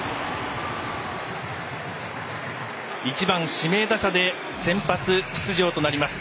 １番、指名打者で先発出場となります。